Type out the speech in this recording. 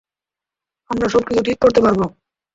আমরা সবকিছু ঠিক করতে পারবো।